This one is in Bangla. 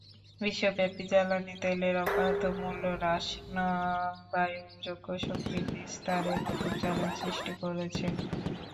বিশ্বব্যাপী জ্বালানি তেলের অব্যাহত মূল্যহ্রাস নবায়নযোগ্য শক্তির বিস্তারে নতুন চ্যালেঞ্জ সৃষ্টি করেছে।